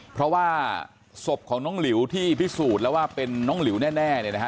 เพราะว่าศพของน้องหลิวที่พิสูจน์แล้วว่าเป็นน้องหลิวแน่เนี่ยนะฮะ